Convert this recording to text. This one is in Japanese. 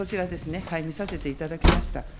見させていただきました。